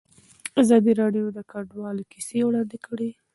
ازادي راډیو د کډوال کیسې وړاندې کړي.